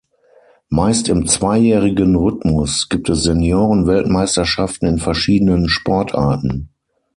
Meist im zweijährigen Rhythmus gibt es Senioren-Weltmeisterschaften in verschiedenen Sportarten.